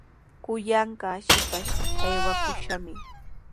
Kuyanqaa shipashqa aywakushqami.